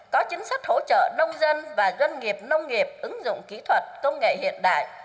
có chính sách hỗ trợ nông dân và doanh nghiệp nông nghiệp ứng dụng kỹ thuật công nghệ hiện đại